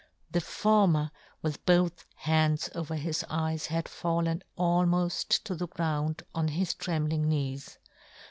The former with both hands over his eyes had fallen almoft to the ground on his trembling knees.